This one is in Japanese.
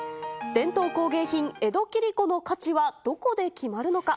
伝統工芸品、江戸切子の価値はどこで決まるのか。